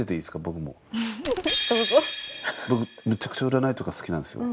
僕めちゃくちゃ占いとか好きなんですよ。